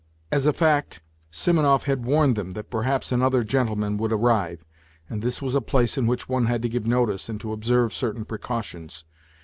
As a fact, Simonov had warned them that perhaps another gentleman would arrive, and this was a place in which one had to give notice and to observe certain precautions.